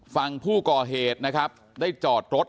ฝั่งผู้ก่อเหตุนะครับได้จอดรถ